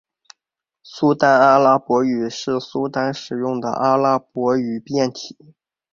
苏丹阿拉伯语是苏丹使用的阿拉伯语变体。